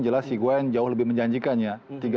jelas higuain jauh lebih menjanjikannya